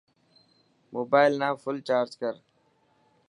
موبال نا ڦل چارج ڪر.